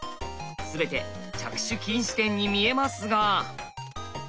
全て着手禁止点に見えますが。